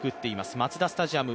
マツダスタジアム